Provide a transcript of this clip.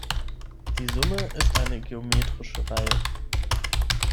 Die Summe ist eine geometrische Reihe.